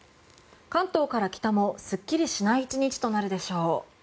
関東から北も、すっきりしない１日となるでしょう。